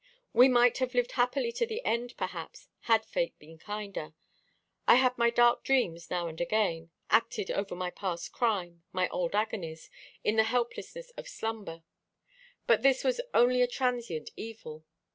"We might have lived happily to the end, perhaps, had Fate been kinder. I had my dark dreams now and again, acted over my past crime, my old agonies, in the helplessness of slumber; but this was only a transient evil.